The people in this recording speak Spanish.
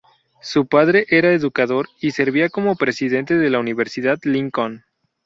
Su padre era educador y servía como presidente de la Universidad Lincoln.